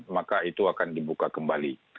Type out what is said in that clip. maka itu akan dibuka kembali